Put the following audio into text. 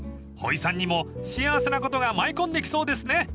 ［ほいさんにも幸せなことが舞い込んできそうですね］